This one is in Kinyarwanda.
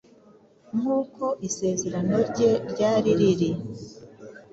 Nk’uko isezerano rye ryari riri,